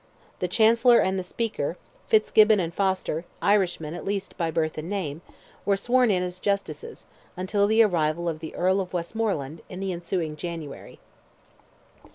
The Chancellor and the Speaker—Fitzgibbon and Foster, Irishmen at least by birth and name—were sworn in as Justices, until the arrival of the Earl of Westmoreland, in the ensuing January.